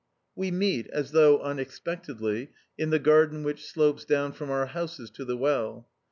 We meet, as though unexpectedly, in the garden which slopes down from our houses to the well.